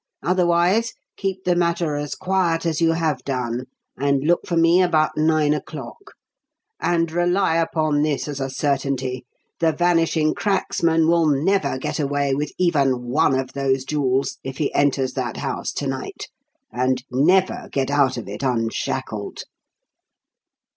Otherwise, keep the matter as quiet as you have done, and look for me about nine o'clock. And rely upon this as a certainty: the Vanishing Cracksman will never get away with even one of those jewels if he enters that house to night, and never get out of it unshackled!"